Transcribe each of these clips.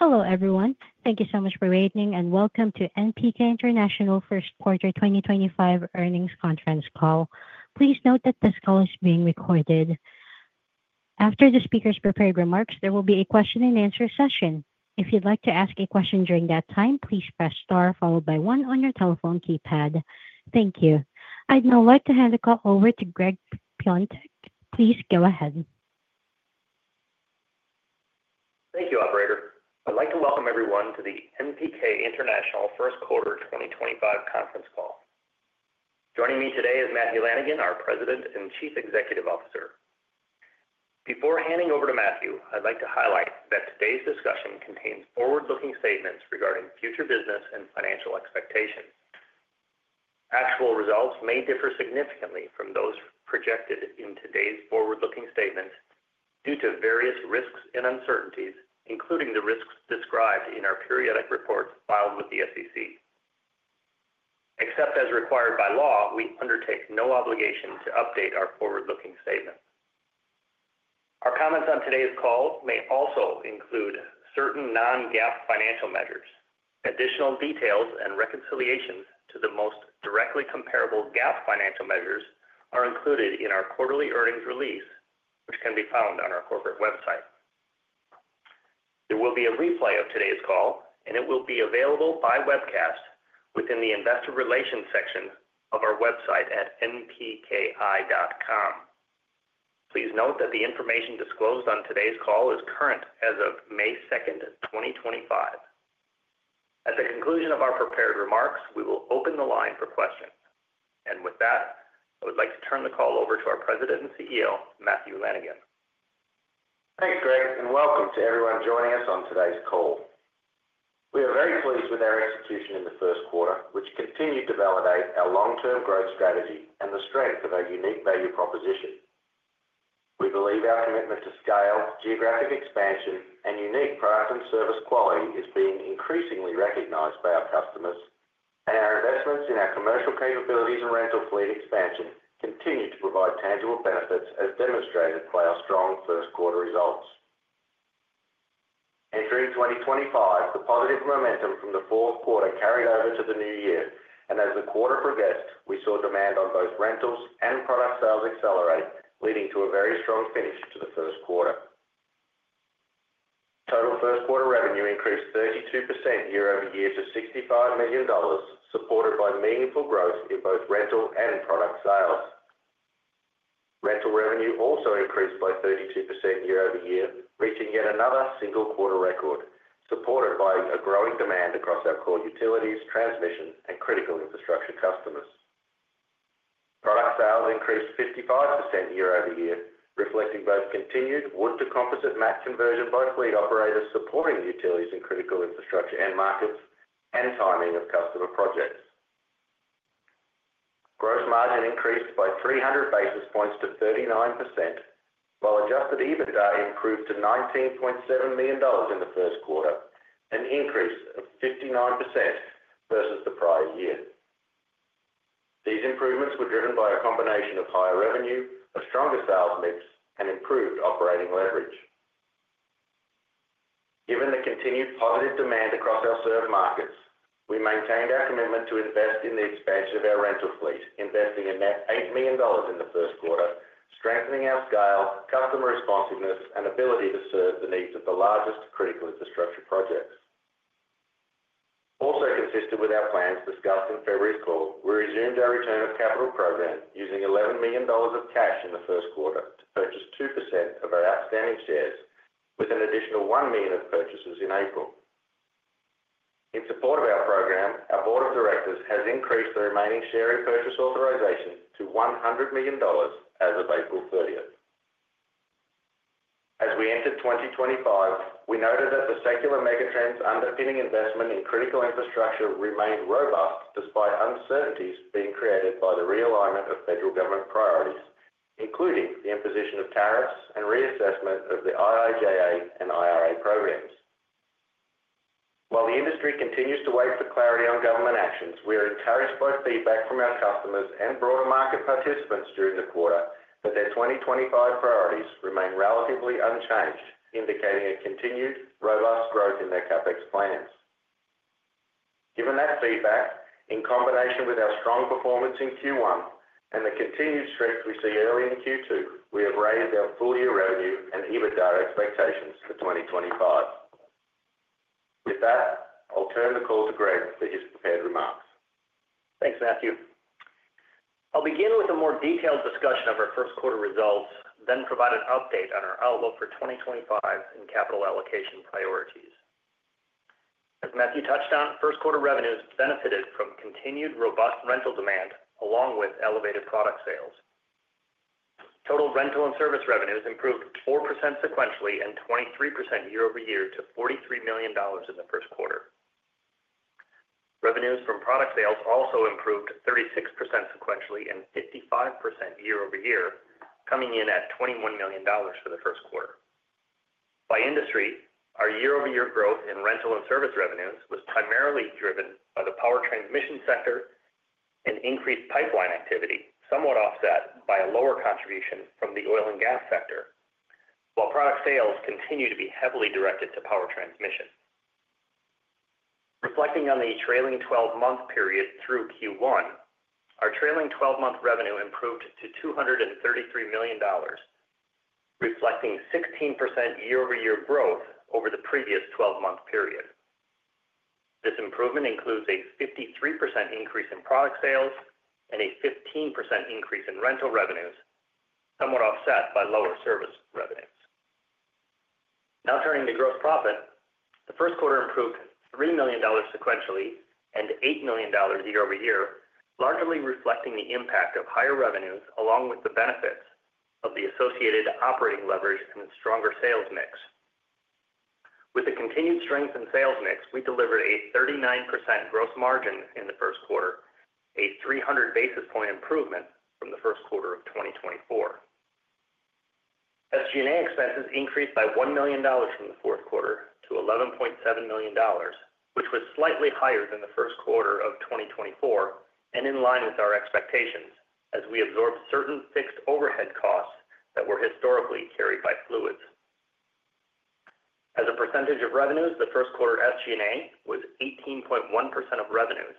Hello everyone, thank you so much for waiting and welcome to NPK International First Quarter 2025 Earnings Conference Call. Please note that this call is being recorded. After the speaker's prepared remarks, there will be a question and answer session. If you'd like to ask a question during that time, please press star followed by one on your telephone keypad. Thank you. I'd now like to hand the call over to Gregg Piontek. Please go ahead. Thank you, Operator. I'd like to welcome everyone to the NPK International First Quarter 2025 Conference Call. Joining me today is Matthew Lanigan, our President and Chief Executive Officer. Before handing over to Matthew, I'd like to highlight that today's discussion contains forward-looking statements regarding future business and financial expectations. Actual results may differ significantly from those projected in today's forward-looking statement due to various risks and uncertainties, including the risks described in our periodic reports filed with the SEC. Except as required by law, we undertake no obligation to update our forward-looking statements. Our comments on today's call may also include certain non-GAAP financial measures. Additional details and reconciliations to the most directly comparable GAAP financial measures are included in our quarterly earnings release, which can be found on our corporate website. There will be a replay of today's call, and it will be available by webcast within the investor relations section of our website at npki.com. Please note that the information disclosed on today's call is current as of May 2nd, 2025. At the conclusion of our prepared remarks, we will open the line for questions. I would like to turn the call over to our President and CEO, Matthew Lanigan. Thanks, Gregg, and welcome to everyone joining us on today's call. We are very pleased with our execution in the first quarter, which continued to validate our long-term growth strategy and the strength of our unique value proposition. We believe our commitment to scale, geographic expansion, and unique product and service quality is being increasingly recognized by our customers, and our investments in our commercial capabilities and rental fleet expansion continue to provide tangible benefits as demonstrated by our strong first quarter results. Entering 2025, the positive momentum from the fourth quarter carried over to the new year, and as the quarter progressed, we saw demand on both rentals and product sales accelerate, leading to a very strong finish to the first quarter. Total first quarter revenue increased 32% year-over-year to $65 million, supported by meaningful growth in both rental and product sales. Rental revenue also increased by 32% year-over-year, reaching yet another single quarter record, supported by a growing demand across our core utilities, transmission, and critical infrastructure customers. Product sales increased 55% year-over-year, reflecting both continued wood-to-composite mat conversion by fleet operators supporting utilities and critical infrastructure and markets and timing of customer projects. Gross margin increased by 300 basis points to 39%, while adjusted EBITDA improved to $19.7 million in the first quarter, an increase of 59% versus the prior year. These improvements were driven by a combination of higher revenue, a stronger sales mix, and improved operating leverage. Given the continued positive demand across our served markets, we maintained our commitment to invest in the expansion of our rental fleet, investing a net $8 million in the first quarter, strengthening our scale, customer responsiveness, and ability to serve the needs of the largest critical infrastructure projects. Also consistent with our plans discussed in February's call, we resumed our return of capital program using $11 million of cash in the first quarter to purchase 2% of our outstanding shares, with an additional $1 million of purchases in April. In support of our program, our board of directors has increased the remaining share repurchase authorization to $100 million as of April 30th. As we enter 2025, we noted that the secular megatrend's underpinning investment in critical infrastructure remained robust despite uncertainties being created by the realignment of federal government priorities, including the imposition of tariffs and reassessment of the IIJA and IRA programs. While the industry continues to wait for clarity on government actions, we are encouraged by feedback from our customers and broader market participants during the quarter that their 2025 priorities remain relatively unchanged, indicating a continued robust growth in their CapEx plans. Given that feedback, in combination with our strong performance in Q1 and the continued strength we see early in Q2, we have raised our full-year revenue and EBITDA expectations for 2025. With that, I'll turn the call to Gregg for his prepared remarks. Thanks, Matthew. I'll begin with a more detailed discussion of our first quarter results, then provide an update on our outlook for 2025 and capital allocation priorities. As Matthew touched on, first quarter revenues benefited from continued robust rental demand along with elevated product sales. Total rental and service revenues improved 4% sequentially and 23% year-over-year to $43 million in the first quarter. Revenues from product sales also improved 36% sequentially and 55% year-over-year, coming in at $21 million for the first quarter. By industry, our year-over-year growth in rental and service revenues was primarily driven by the power transmission sector and increased pipeline activity, somewhat offset by a lower contribution from the oil and gas sector, while product sales continue to be heavily directed to power transmission. Reflecting on the trailing 12-month period through Q1, our trailing 12-month revenue improved to $233 million, reflecting 16% year-over-year growth over the previous 12-month period. This improvement includes a 53% increase in product sales and a 15% increase in rental revenues, somewhat offset by lower service revenues. Now turning to gross profit, the first quarter improved $3 million sequentially and $8 million year-over-year, largely reflecting the impact of higher revenues along with the benefits of the associated operating leverage and stronger sales mix. With the continued strength in sales mix, we delivered a 39% gross margin in the first quarter, a 300 basis point improvement from the first quarter of 2024. SG&A expenses increased by $1 million from the fourth quarter to $11.7 million, which was slightly higher than the first quarter of 2024 and in line with our expectations as we absorbed certain fixed overhead costs that were historically carried by fluids. As a percentage of revenues, the first quarter SG&A was 18.1% of revenues,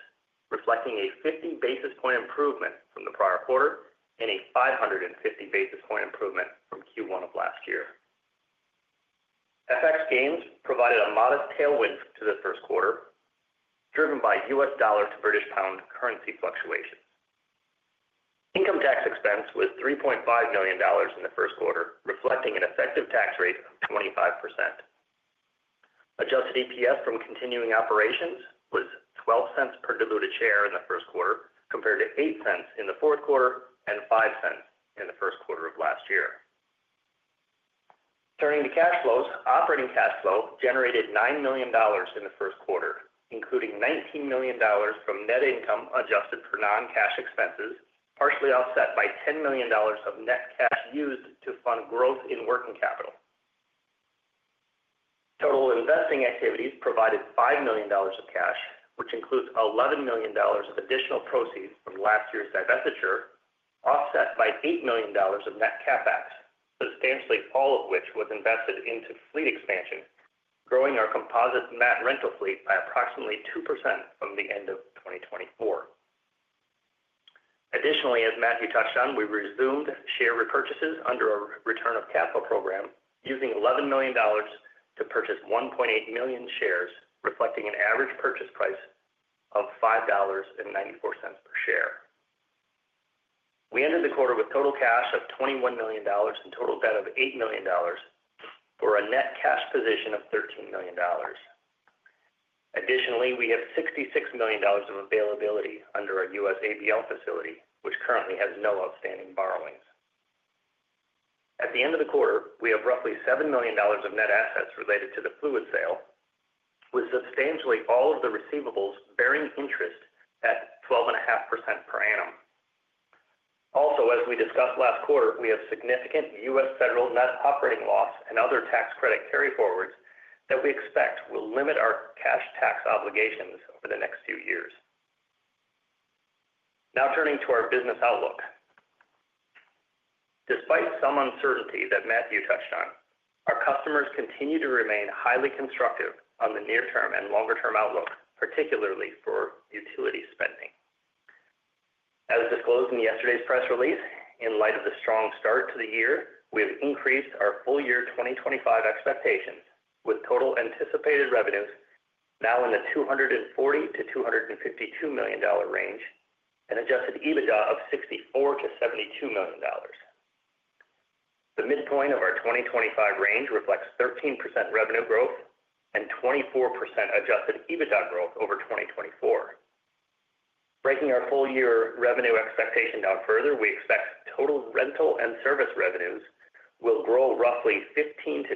reflecting a 50 basis point improvement from the prior quarter and a 550 basis point improvement from Q1 of last year. FX gains provided a modest tailwind to the first quarter, driven by U.S. dollar to British pound currency fluctuations. Income tax expense was $3.5 million in the first quarter, reflecting an effective tax rate of 25%. Adjusted EPS from continuing operations was $0.12 per diluted share in the first quarter, compared to $0.08 in the fourth quarter and $0.05 in the first quarter of last year. Turning to cash flows, operating cash flow generated $9 million in the first quarter, including $19 million from net income adjusted for non-cash expenses, partially offset by $10 million of net cash used to fund growth in working capital. Total investing activities provided $5 million of cash, which includes $11 million of additional proceeds from last year's divestiture, offset by $8 million of net CapEx, substantially all of which was invested into fleet expansion, growing our composite mat rental fleet by approximately 2% from the end of 2024. Additionally, as Matthew touched on, we resumed share repurchases under our return of capital program, using $11 million to purchase 1.8 million shares, reflecting an average purchase price of $5.94 per share. We ended the quarter with total cash of $21 million and total debt of $8 million for a net cash position of $13 million. Additionally, we have $66 million of availability under our U.S. ABL facility, which currently has no outstanding borrowings. At the end of the quarter, we have roughly $7 million of net assets related to the fluid sale, with substantially all of the receivables bearing interest at 12.5% per annum. Also, as we discussed last quarter, we have significant U.S. federal net operating loss and other tax credit carryforwards that we expect will limit our cash tax obligations over the next few years. Now turning to our business outlook, despite some uncertainty that Matthew touched on, our customers continue to remain highly constructive on the near-term and longer-term outlook, particularly for utility spending. As disclosed in yesterday's press release, in light of the strong start to the year, we have increased our full-year 2025 expectations, with total anticipated revenues now in the $240-$252 million range and adjusted EBITDA of $64-$72 million. The midpoint of our 2025 range reflects 13% revenue growth and 24% adjusted EBITDA growth over 2024. Breaking our full-year revenue expectation down further, we expect total rental and service revenues will grow roughly 15%-20%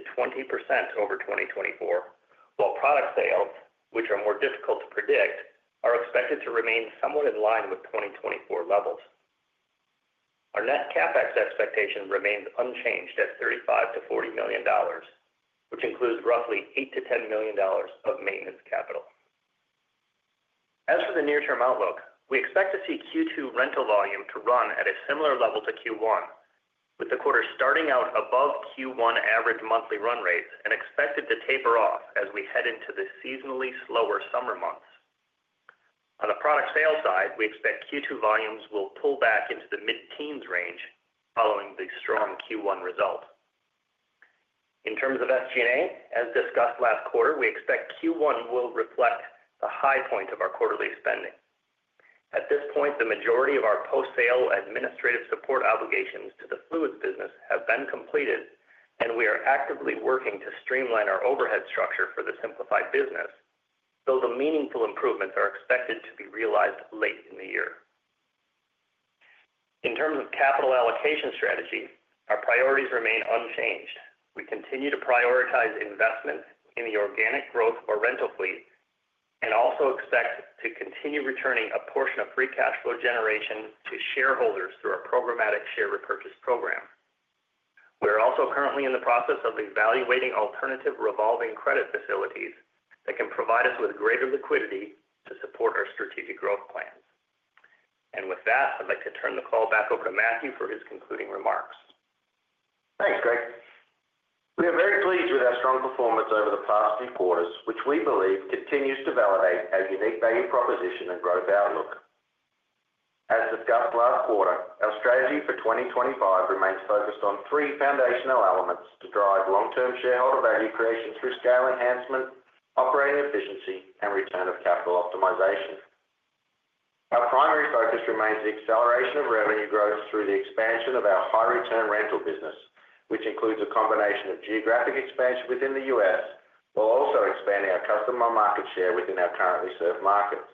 over 2024, while product sales, which are more difficult to predict, are expected to remain somewhat in line with 2024 levels. Our net CapEx expectation remains unchanged at $35-$40 million, which includes roughly $8-$10 million of maintenance capital. As for the near-term outlook, we expect to see Q2 rental volume to run at a similar level to Q1, with the quarter starting out above Q1 average monthly run rates and expected to taper off as we head into the seasonally slower summer months. On the product sales side, we expect Q2 volumes will pull back into the mid-teens range following the strong Q1 results. In terms of SG&A, as discussed last quarter, we expect Q1 will reflect the high point of our quarterly spending. At this point, the majority of our post-sale administrative support obligations to the fluids business have been completed, and we are actively working to streamline our overhead structure for the simplified business, though the meaningful improvements are expected to be realized late in the year. In terms of capital allocation strategy, our priorities remain unchanged. We continue to prioritize investment in the organic growth of our rental fleet and also expect to continue returning a portion of free cash flow generation to shareholders through our programmatic share repurchase program. We are also currently in the process of evaluating alternative revolving credit facilities that can provide us with greater liquidity to support our strategic growth plans. I would like to turn the call back over to Matthew for his concluding remarks. Thanks, Gregg. We are very pleased with our strong performance over the past few quarters, which we believe continues to validate our unique value proposition and growth outlook. As discussed last quarter, our strategy for 2025 remains focused on three foundational elements to drive long-term shareholder value creation through scale enhancement, operating efficiency, and return of capital optimization. Our primary focus remains the acceleration of revenue growth through the expansion of our high-return rental business, which includes a combination of geographic expansion within the U.S. while also expanding our customer market share within our currently served markets.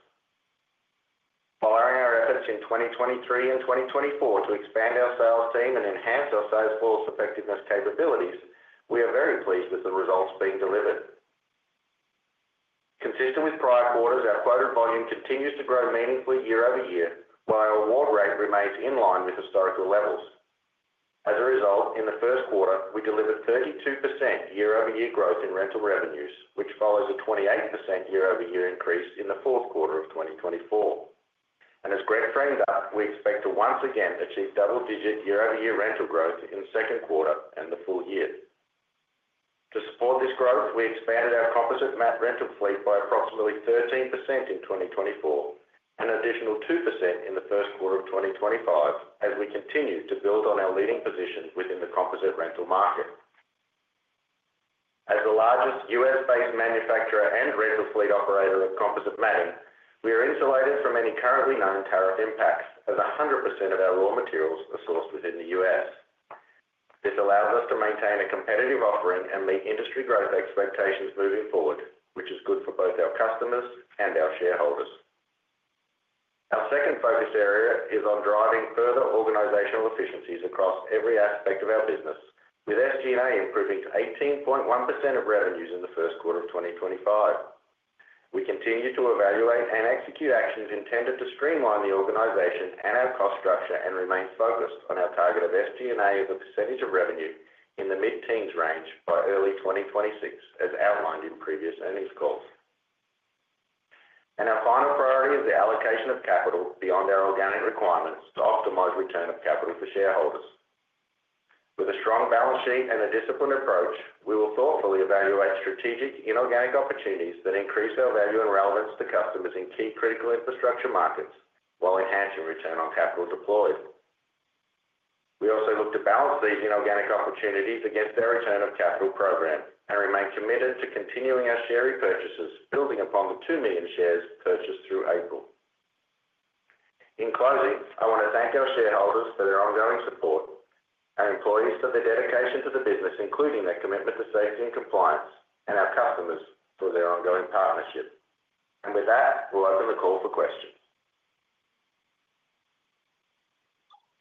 Following our efforts in 2023 and 2024 to expand our sales team and enhance our sales force effectiveness capabilities, we are very pleased with the results being delivered. Consistent with prior quarters, our quoted volume continues to grow meaningfully year-over-year, while our award rate remains in line with historical levels. As a result, in the first quarter, we delivered 32% year-over-year growth in rental revenues, which follows a 28% year-over-year increase in the fourth quarter of 2024. As Gregg framed up, we expect to once again achieve double-digit year-over-year rental growth in the second quarter and the full year. To support this growth, we expanded our composite mat rental fleet by approximately 13% in 2024 and an additional 2% in the first quarter of 2025 as we continue to build on our leading position within the composite rental market. As the largest U.S.-based manufacturer and rental fleet operator of composite matting, we are insulated from any currently known tariff impacts as 100% of our raw materials are sourced within the U.S. This allows us to maintain a competitive offering and meet industry growth expectations moving forward, which is good for both our customers and our shareholders. Our second focus area is on driving further organizational efficiencies across every aspect of our business, with SG&A improving to 18.1% of revenues in the first quarter of 2025. We continue to evaluate and execute actions intended to streamline the organization and our cost structure and remain focused on our target of SG&A as a percentage of revenue in the mid-teens range by early 2026, as outlined in previous earnings calls. Our final priority is the allocation of capital beyond our organic requirements to optimize return of capital for shareholders. With a strong balance sheet and a disciplined approach, we will thoughtfully evaluate strategic inorganic opportunities that increase our value and relevance to customers in key critical infrastructure markets while enhancing return on capital deployed. We also look to balance these inorganic opportunities against our return of capital program and remain committed to continuing our share repurchases, building upon the 2 million shares purchased through April. In closing, I want to thank our shareholders for their ongoing support, our employees for their dedication to the business, including their commitment to safety and compliance, and our customers for their ongoing partnership. With that, we will open the call for questions.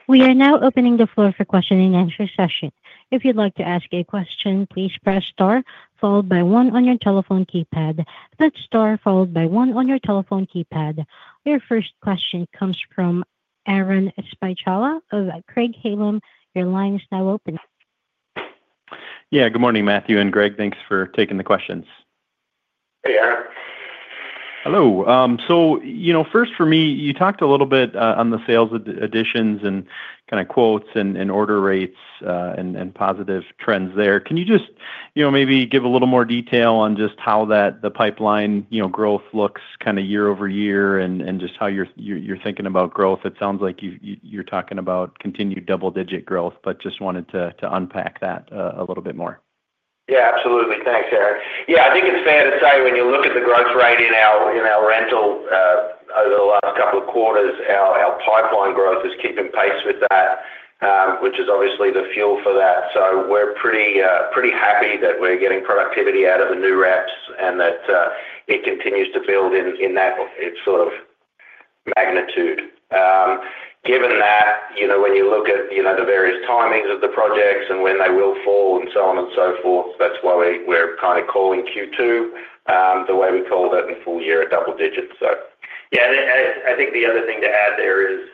We are now opening the floor for question and answer session. If you'd like to ask a question, please press star, followed by one on your telephone keypad. That's star, followed by one on your telephone keypad. Our first question comes from Aaron Spychalla of Craig-Hallum. Your line is now open. Yeah, good morning, Matthew and Gregg. Thanks for taking the questions. Hey, Aaron. Hello. First, for me, you talked a little bit on the sales additions and kind of quotes and order rates and positive trends there. Can you just maybe give a little more detail on just how that the pipeline growth looks kind of year-over-year and just how you're thinking about growth? It sounds like you're talking about continued double-digit growth, but just wanted to unpack that a little bit more. Yeah, absolutely. Thanks, Aaron. Yeah, I think it's fair to say when you look at the growth rate in our rental over the last couple of quarters, our pipeline growth is keeping pace with that, which is obviously the fuel for that. We are pretty happy that we are getting productivity out of the new reps and that it continues to build in that sort of magnitude. Given that, when you look at the various timings of the projects and when they will fall and so on and so forth, that is why we are kind of calling Q2 the way we called it in full year at double digits. Yeah, I think the other thing to add there is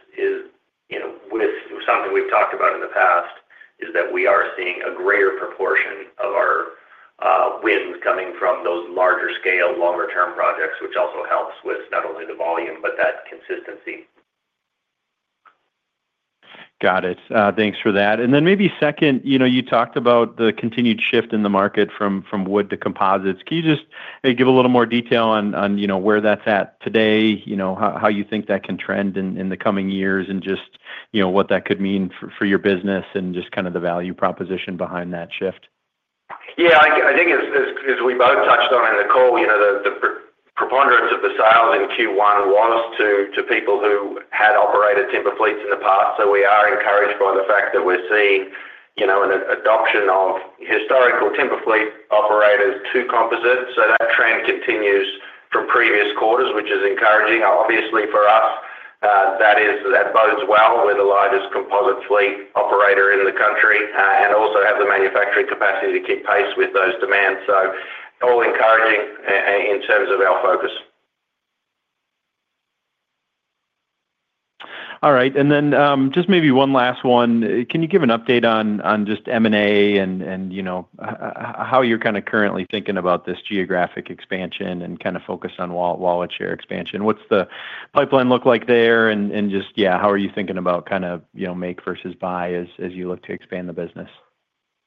with something we've talked about in the past is that we are seeing a greater proportion of our wins coming from those larger scale, longer-term projects, which also helps with not only the volume, but that consistency. Got it. Thanks for that. Maybe second, you talked about the continued shift in the market from wood to composites. Can you just give a little more detail on where that's at today, how you think that can trend in the coming years, and just what that could mean for your business and just kind of the value proposition behind that shift? Yeah, I think as we both touched on in the call, the preponderance of the sales in Q1 was to people who had operated timber fleets in the past. We are encouraged by the fact that we're seeing an adoption of historical timber fleet operators to composites. That trend continues from previous quarters, which is encouraging. Obviously, for us, that bodes well. We're the largest composite fleet operator in the country and also have the manufacturing capacity to keep pace with those demands. All encouraging in terms of our focus. All right. Maybe one last one. Can you give an update on just M&A and how you're kind of currently thinking about this geographic expansion and kind of focus on wallet share expansion? What's the pipeline look like there? Yeah, how are you thinking about kind of make versus buy as you look to expand the business?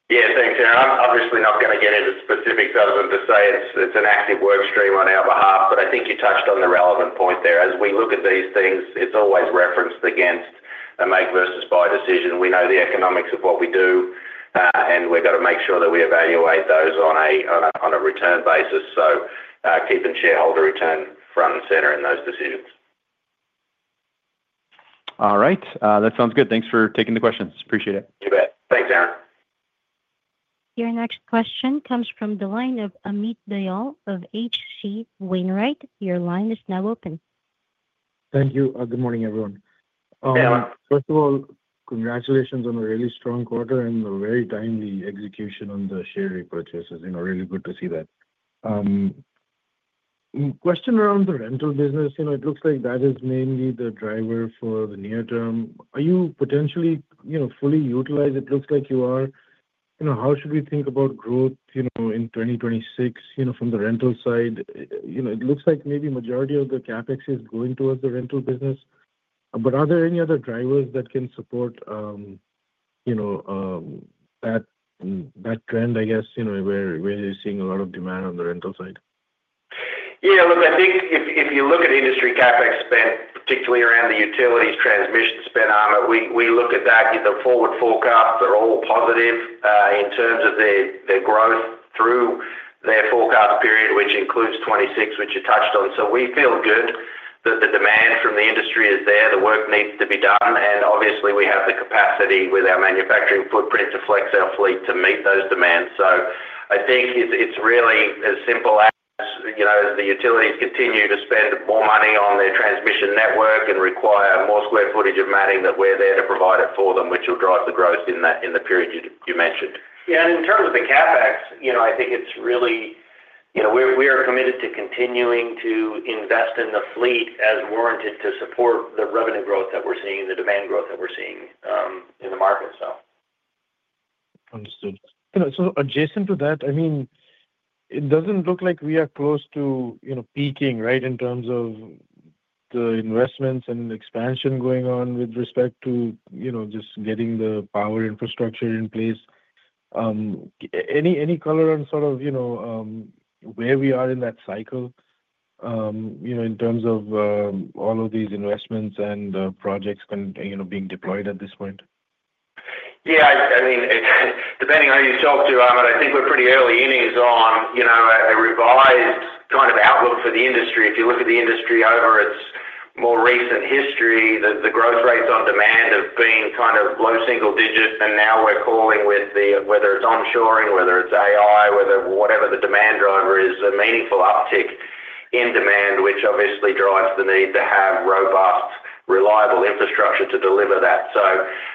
Yeah, thanks, Aaron. I'm obviously not going to get into specifics other than to say it's an active workstream on our behalf, but I think you touched on the relevant point there. As we look at these things, it's always referenced against a make versus buy decision. We know the economics of what we do, and we've got to make sure that we evaluate those on a return basis. Keeping shareholder return front and center in those decisions. All right. That sounds good. Thanks for taking the questions. Appreciate it. You bet. Thanks, Aaron. Your next question comes from the line of Amit Dayal of H.C. Wainwright. Your line is now open. Thank you. Good morning, everyone. Hey, Amit. First of all, congratulations on a really strong quarter and a very timely execution on the share repurchases. Really good to see that. Question around the rental business. It looks like that is mainly the driver for the near term. Are you potentially fully utilized? It looks like you are. How should we think about growth in 2026 from the rental side? It looks like maybe the majority of the CapEx is going towards the rental business. Are there any other drivers that can support that trend, I guess, where you're seeing a lot of demand on the rental side? Yeah, look, I think if you look at industry CapEx spend, particularly around the utilities transmission spend, we look at that. The forward forecasts are all positive in terms of their growth through their forecast period, which includes 2026, which you touched on. We feel good that the demand from the industry is there. The work needs to be done. Obviously, we have the capacity with our manufacturing footprint to flex our fleet to meet those demands. I think it's really as simple as the utilities continue to spend more money on their transmission network and require more square footage of matting that we're there to provide it for them, which will drive the growth in the period you mentioned. Yeah, and in terms of the CapEx, I think it's really we are committed to continuing to invest in the fleet as warranted to support the revenue growth that we're seeing and the demand growth that we're seeing in the market. Understood. Adjacent to that, I mean, it doesn't look like we are close to peaking, right, in terms of the investments and expansion going on with respect to just getting the power infrastructure in place. Any color on sort of where we are in that cycle in terms of all of these investments and projects being deployed at this point? Yeah, I mean, depending on how you talk to it, I think we're pretty early in on a revised kind of outlook for the industry. If you look at the industry over its more recent history, the growth rates on demand have been kind of low single digits, and now we're calling with whether it's onshoring, whether it's AI, whether whatever the demand driver is, a meaningful uptick in demand, which obviously drives the need to have robust, reliable infrastructure to deliver that.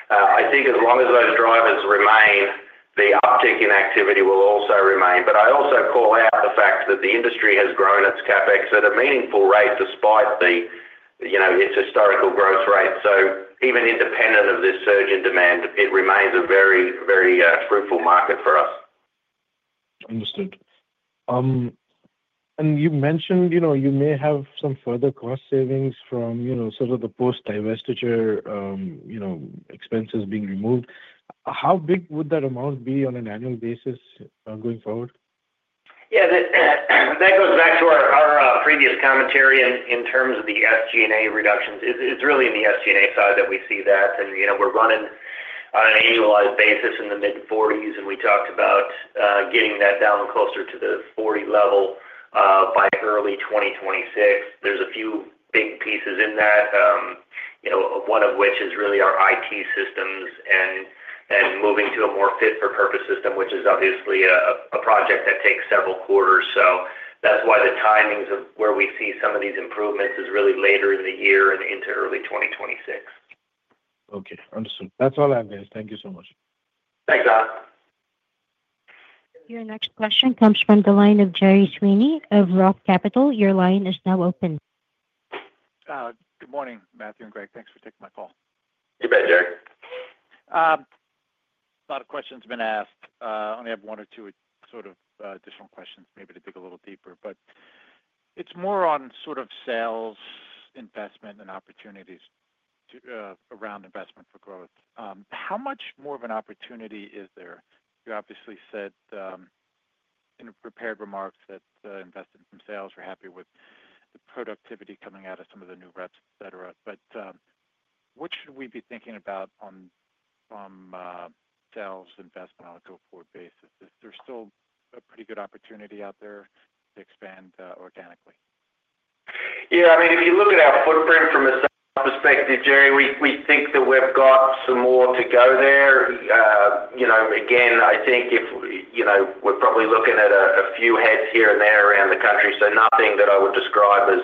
I think as long as those drivers remain, the uptick in activity will also remain. I also call out the fact that the industry has grown its CapEx at a meaningful rate despite its historical growth rate. Even independent of this surge in demand, it remains a very, very fruitful market for us. Understood. You mentioned you may have some further cost savings from sort of the post-divestiture expenses being removed. How big would that amount be on an annual basis going forward? Yeah, that goes back to our previous commentary in terms of the SG&A reductions. It's really in the SG&A side that we see that. We're running on an annualized basis in the mid-40s, and we talked about getting that down closer to the 40 level by early 2026. There are a few big pieces in that, one of which is really our IT systems and moving to a more fit-for-purpose system, which is obviously a project that takes several quarters. That is why the timings of where we see some of these improvements is really later in the year and into early 2026. Okay. Understood. That's all I have, guys. Thank you so much. Thanks, Amit. Your next question comes from the line of Gerry Sweeney of Roth Capital. Your line is now open. Good morning, Matthew and Gregg. Thanks for taking my call. You bet, Gerry. A lot of questions have been asked. I only have one or two sort of additional questions, maybe to dig a little deeper, but it's more on sort of sales, investment, and opportunities around investment for growth. How much more of an opportunity is there? You obviously said in prepared remarks that investing from sales were happy with the productivity coming out of some of the new reps, etc. What should we be thinking about from sales investment on a go-forward basis? Is there still a pretty good opportunity out there to expand organically? Yeah, I mean, if you look at our footprint from a sales perspective, Gerry, we think that we've got some more to go there. Again, I think we're probably looking at a few heads here and there around the country, so nothing that I would describe as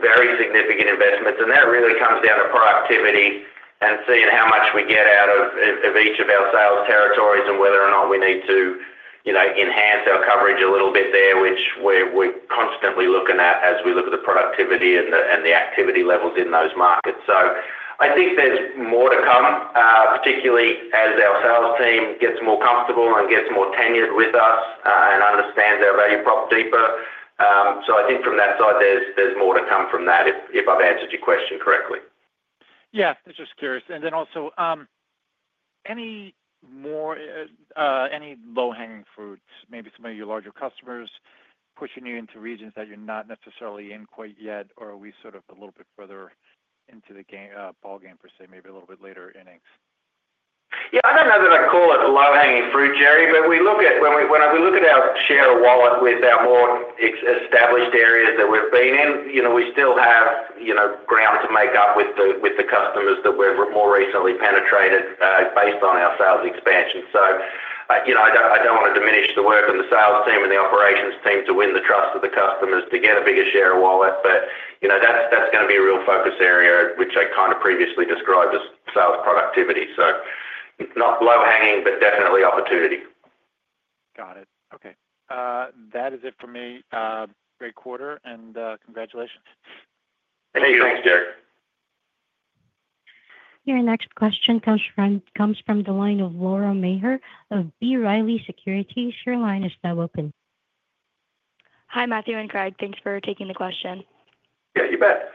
very significant investments. That really comes down to productivity and seeing how much we get out of each of our sales territories and whether or not we need to enhance our coverage a little bit there, which we're constantly looking at as we look at the productivity and the activity levels in those markets. I think there's more to come, particularly as our sales team gets more comfortable and gets more tenured with us and understands our value prop deeper. I think from that side, there's more to come from that, if I've answered your question correctly. Yeah, I'm just curious. Also, any low-hanging fruit, maybe some of your larger customers pushing you into regions that you're not necessarily in quite yet, or are we sort of a little bit further into the ballgame for, say, maybe a little bit later innings? Yeah, I do not know that I would call it low-hanging fruit, Gerry, but when we look at our share of wallet with our more established areas that we have been in, we still have ground to make up with the customers that we have more recently penetrated based on our sales expansion. I do not want to diminish the work of the sales team and the operations team to win the trust of the customers to get a bigger share of wallet, but that is going to be a real focus area, which I kind of previously described as sales productivity. Not low-hanging, but definitely opportunity. Got it. Okay. That is it for me. Great quarter, and congratulations. Your next question comes from the line of Laura Maher of B. Riley Securities. Your line is now open. Hi, Matthew and Gregg. Thanks for taking the question. Yeah, you bet.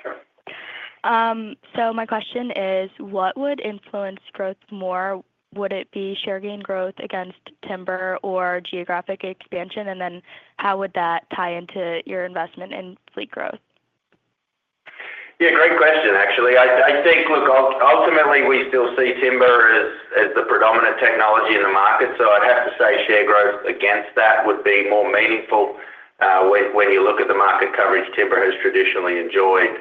My question is, what would influence growth more? Would it be share gain growth against timber or geographic expansion? And how would that tie into your investment in fleet growth? Yeah, great question, actually. I think, look, ultimately, we still see timber as the predominant technology in the market. I'd have to say share growth against that would be more meaningful when you look at the market coverage timber has traditionally enjoyed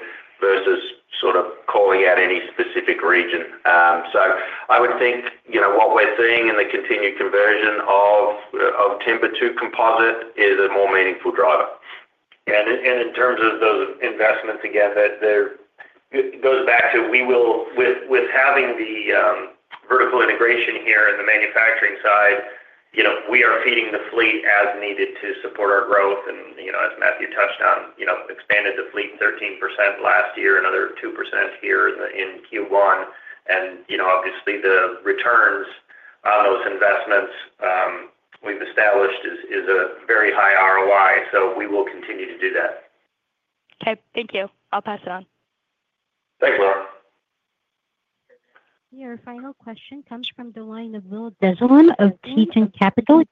versus sort of calling out any specific region. I would think what we're seeing in the continued conversion of timber to composite is a more meaningful driver. Yeah, in terms of those investments, again, it goes back to with having the vertical integration here in the manufacturing side, we are feeding the fleet as needed to support our growth. As Matthew touched on, expanded the fleet 13% last year and another 2% here in Q1. Obviously, the returns on those investments we've established is a very high ROI, so we will continue to do that. Okay. Thank you. I'll pass it on. Thanks, Laura. Your final question comes from the line of Bill Dezellem of Tieton Capital.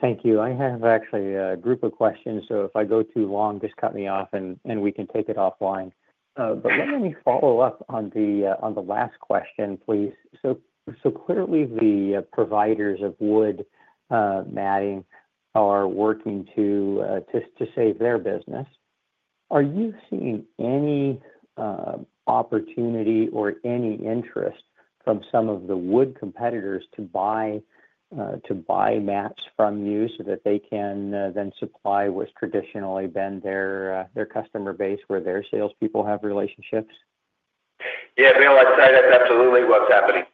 Thank you. I have actually a group of questions, so if I go too long, just cut me off and we can take it offline. Let me follow up on the last question, please. Clearly, the providers of wood matting are working to save their business. Are you seeing any opportunity or any interest from some of the wood competitors to buy mats from you so that they can then supply what has traditionally been their customer base where their salespeople have relationships? Yeah, Bill, I'd say that's absolutely what's happening.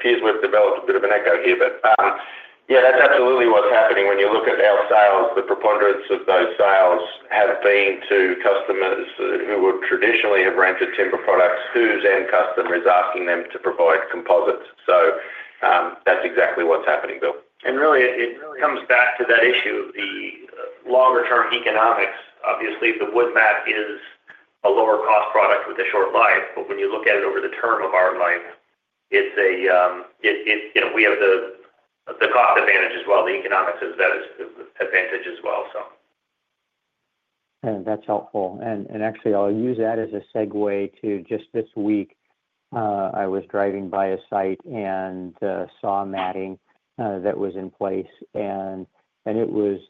Please, we've developed a bit of an echo here, but yeah, that's absolutely what's happening. When you look at our sales, the preponderance of those sales have been to customers who would traditionally have rented timber products whose end customer is asking them to provide composites. That's exactly what's happening, Bill. It comes back to that issue of the longer-term economics. Obviously, the wood mat is a lower-cost product with a short life, but when you look at it over the term of our life, we have the cost advantage as well. The economics of that is advantage as well. That's helpful. Actually, I'll use that as a segue to just this week. I was driving by a site and saw matting that was in place, and it was,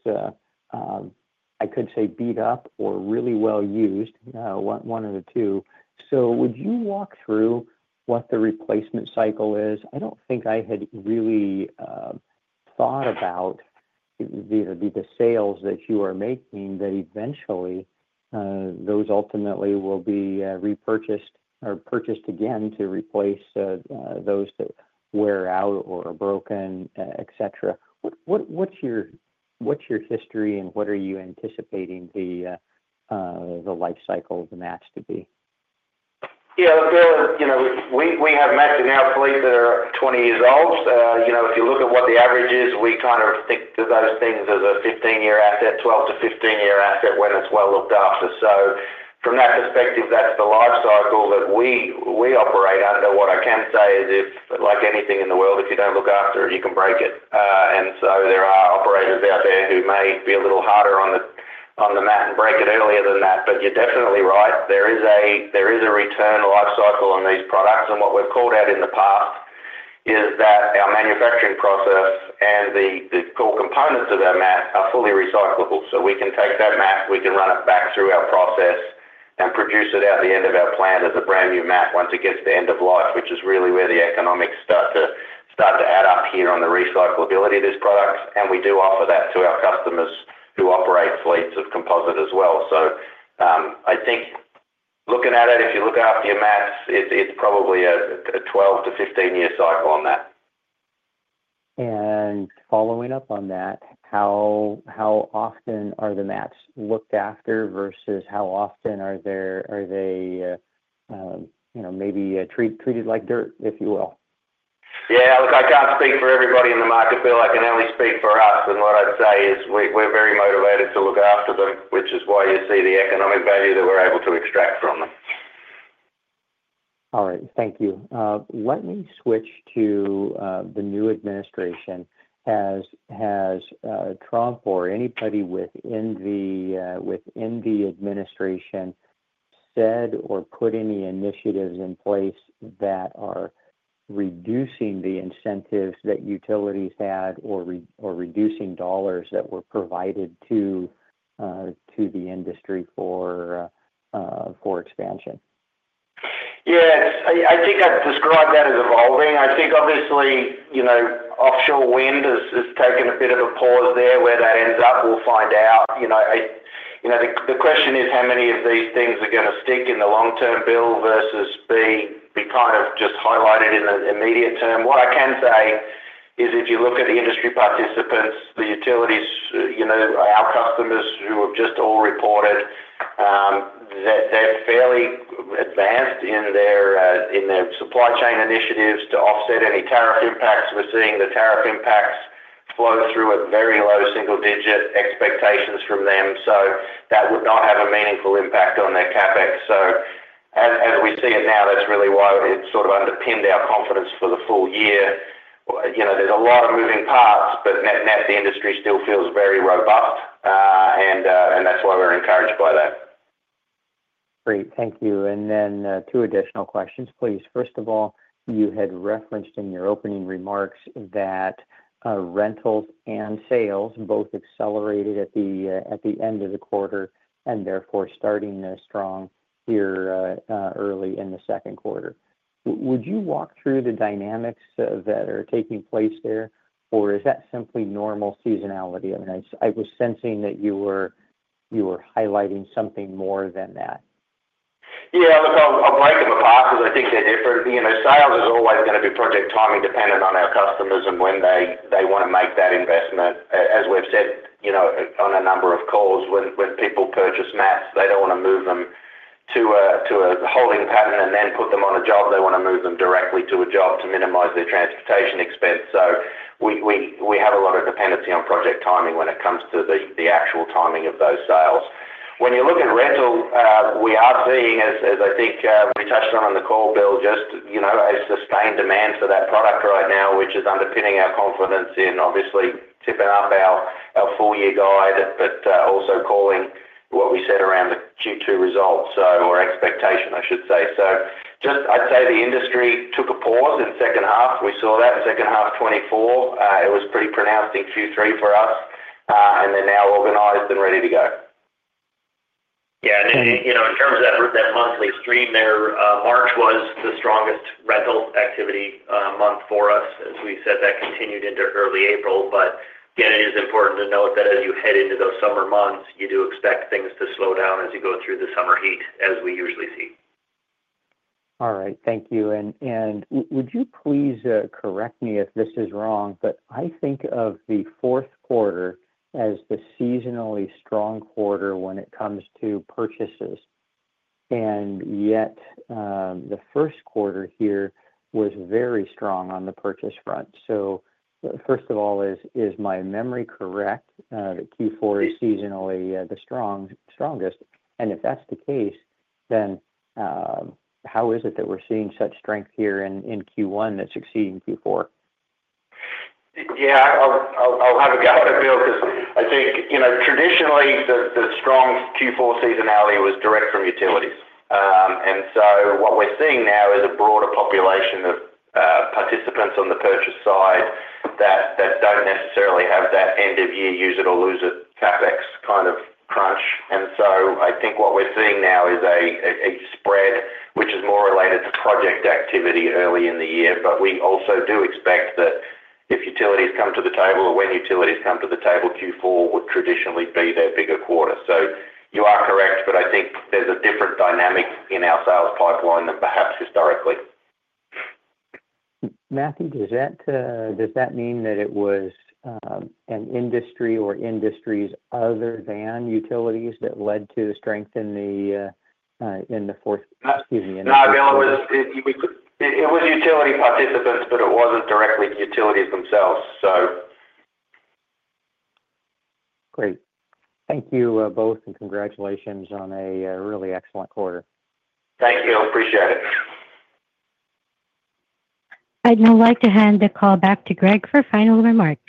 I could say, beat-up or really well used, one of the two. Would you walk through what the replacement cycle is? I don't think I had really thought about the sales that you are making that eventually those ultimately will be repurchased or purchased again to replace those that wear out or are broken, etc. What's your history, and what are you anticipating the life cycle of the mats to be? Yeah, look, we have mats in our fleet that are 20 years old. If you look at what the average is, we kind of think of those things as a 15-year asset, 12-15 year asset when it's well looked after. From that perspective, that's the life cycle that we operate under. What I can say is, like anything in the world, if you do not look after it, you can break it. There are operators out there who may be a little harder on the mat and break it earlier than that, but you're definitely right. There is a return life cycle on these products. What we've called out in the past is that our manufacturing process and the core components of our mat are fully recyclable. We can take that mat, we can run it back through our process, and produce it at the end of our plant as a brand new mat once it gets to end of life, which is really where the economics start to add up here on the recyclability of these products. We do offer that to our customers who operate fleets of composite as well. I think looking at it, if you look after your mats, it is probably a 12-15 year cycle on that. Following up on that, how often are the mats looked after versus how often are they maybe treated like dirt, if you will? Yeah, look, I can't speak for everybody in the market, Bill. I can only speak for us. What I'd say is we're very motivated to look after them, which is why you see the economic value that we're able to extract from them. All right. Thank you. Let me switch to the new administration. Has Trump or anybody within the administration said or put any initiatives in place that are reducing the incentives that utilities had or reducing dollars that were provided to the industry for expansion? Yeah, I think I'd describe that as evolving. I think obviously offshore wind has taken a bit of a pause there. Where that ends up, we'll find out. The question is how many of these things are going to stick in the long-term bill versus be kind of just highlighted in the immediate term. What I can say is if you look at industry participants, the utilities, our customers who have just all reported that they're fairly advanced in their supply chain initiatives to offset any tariff impacts. We're seeing the tariff impacts flow through at very low single-digit expectations from them. That would not have a meaningful impact on their CapEx. As we see it now, that's really why it's sort of underpinned our confidence for the full year. There's a lot of moving parts, but net-net the industry still feels very robust, and that's why we're encouraged by that. Great. Thank you. Two additional questions, please. First of all, you had referenced in your opening remarks that rentals and sales both accelerated at the end of the quarter and therefore starting strong here early in the second quarter. Would you walk through the dynamics that are taking place there, or is that simply normal seasonality? I mean, I was sensing that you were highlighting something more than that. Yeah, look, I'll break it apart because I think they're different. Sales is always going to be project-timing dependent on our customers and when they want to make that investment. As we've said on a number of calls, when people purchase mats, they don't want to move them to a holding pattern and then put them on a job. They want to move them directly to a job to minimize their transportation expense. So we have a lot of dependency on project timing when it comes to the actual timing of those sales. When you look at rental, we are seeing, as I think we touched on in the call, Bill, just a sustained demand for that product right now, which is underpinning our confidence in obviously tipping up our full-year guide, but also calling what we said around the Q2 results, or expectation, I should say. I would say the industry took a pause in the second half. We saw that in the second half of 2024. It was pretty pronounced in Q3 for us, and they are now organized and ready to go. Yeah, and in terms of that monthly stream there, March was the strongest rental activity month for us, as we said. That continued into early April. Again, it is important to note that as you head into those summer months, you do expect things to slow down as you go through the summer heat, as we usually see. All right. Thank you. Would you please correct me if this is wrong, but I think of the fourth quarter as the seasonally strong quarter when it comes to purchases, and yet the first quarter here was very strong on the purchase front. First of all, is my memory correct that Q4 is seasonally the strongest? If that's the case, then how is it that we're seeing such strength here in Q1 that's exceeding Q4? Yeah, I'll have a go at it, Bill, because I think traditionally the strong Q4 seasonality was direct from utilities. What we're seeing now is a broader population of participants on the purchase side that do not necessarily have that end-of-year use-it-or-lose-it CapEx kind of crunch. I think what we're seeing now is a spread, which is more related to project activity early in the year. We also do expect that if utilities come to the table, or when utilities come to the table, Q4 would traditionally be their bigger quarter. You are correct, but I think there's a different dynamic in our sales pipeline than perhaps historically. Matthew, does that mean that it was an industry or industries other than utilities that led to the strength in the fourth? Excuse me. No, Bill, it was utility participants, but it was not directly utilities themselves, so. Great. Thank you both, and congratulations on a really excellent quarter. Thank you. Appreciate it. I'd now like to hand the call back to Gregg for final remarks.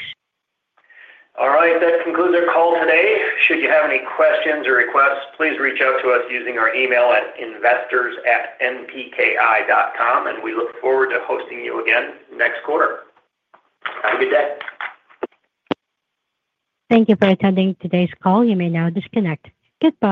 All right. That concludes our call today. Should you have any questions or requests, please reach out to us using our email at investors@npki.com, and we look forward to hosting you again next quarter. Have a good day. Thank you for attending today's call. You may now disconnect. Good.